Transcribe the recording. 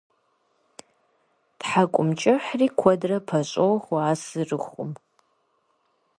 Тхьэкӏумэкӏыхьри куэдрэ пэщӏохуэ а сырыхум.